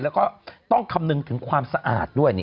แล้วก็ต้องคำนึงถึงความสะอาดด้วย